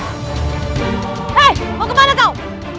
hei mau kemana kau